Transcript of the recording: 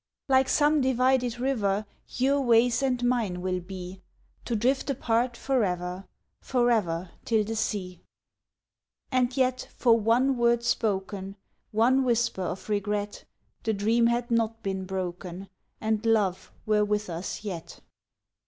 Like some divided river Your ways and mine will be, To drift apart for ever, For ever till the sea. And yet for one word spoken, One whisper of regret, The dream had not been broken And love were with us yet.